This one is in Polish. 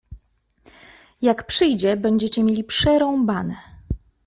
Jak przyjdzie, będziecie mieli przerąbane.